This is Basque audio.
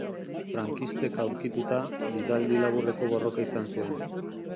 Frankistek aurkituta, bidaldi laburreko borroka izan zuen.